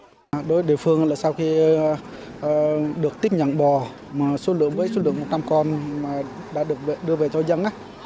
đối với địa phương là sau khi được tiếp nhận bò mà số lượng với số lượng một trăm linh con mà đã được đưa về cho dân